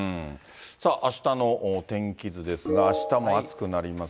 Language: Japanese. さあ、あしたの天気図ですが、あしたも暑くなります。